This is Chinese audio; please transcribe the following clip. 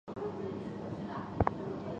行政中心位于瑙沙罗费洛兹市。